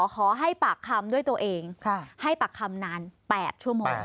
ขอให้ปากคำด้วยตัวเองให้ปากคำนาน๘ชั่วโมง